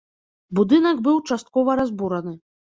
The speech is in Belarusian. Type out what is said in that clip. Будынак быў часткова разбураны.